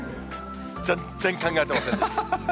全然考えてませんでした。